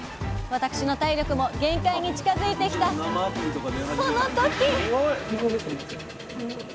私の体力も限界に近づいてきたその時！